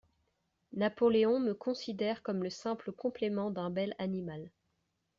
Napoléon me considère comme le simple complément d'un bel animal.